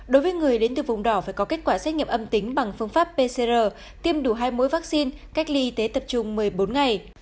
đối với người đến từ vùng đỏ phải có kết quả xét nghiệm âm tính bằng phương pháp pcr tiêm đủ hai mũi vaccine cách ly y tế tập trung một mươi bốn ngày